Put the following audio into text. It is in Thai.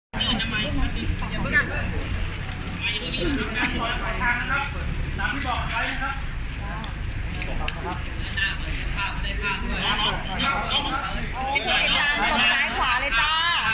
สวัสดีครับครอบครอบครัฐน่าเป็นเวลาของพี่ที่อยากเล่นใจและเป้าหมายทุกวัน๙๘๒นตรีแก่สวัสดี